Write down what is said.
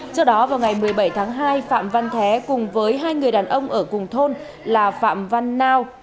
trước đó vào ngày một mươi bảy tháng hai phạm văn thé cùng với hai người đàn ông ở cùng thôn là phạm văn nao